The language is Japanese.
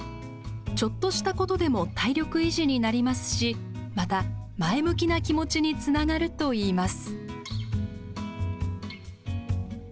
ちょっとしたことでも体力維持になりますしまた、前向きな気持ちにつながるといいます。